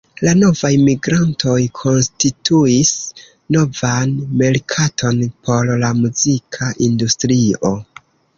La novaj migrantoj konstituis novan merkaton por la muzika industrio.